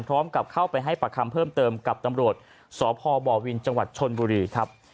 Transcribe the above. พร้อมกับเข้าไปให้ประคำเพิ่มเติมกับตำรวจสบวินจชนบุรีครับ